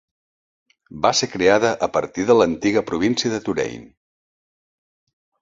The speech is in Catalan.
Va ser creada a partir de l'antiga província de Touraine.